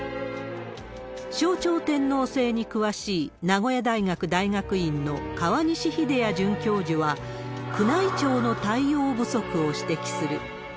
象徴天皇制に詳しい名古屋大学大学院の河西秀哉准教授は、宮内庁の対応不足を指摘する。